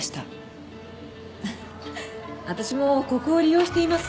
私もここを利用しています。